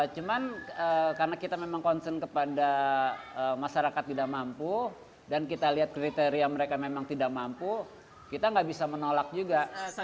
cuman karena kita memang concern kepada masyarakat tidak mampu dan kita lihat kriteria mereka memang tidak mampu kita nggak bisa menolak juga